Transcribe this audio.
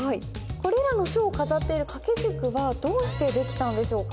これらの書を飾っている掛軸はどうして出来たんでしょうか？